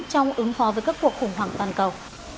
trong ứng phó với các cuộc khủng hoảng toàn cầu